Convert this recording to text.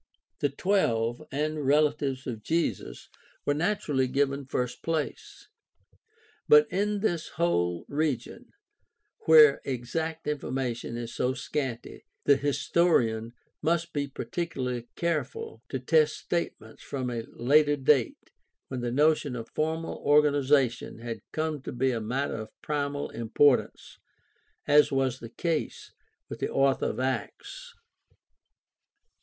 The "Twelve" and relatives of Jesus were naturally given first place. But in this whole region where exact information is so scanty the historian must be particularly careful to test statements from a later date when the notion of formal THE STUDY OF EARLY CHRISTIANITY 279 organization had come to be a matter of primal importance, as was the case with the author of Acts.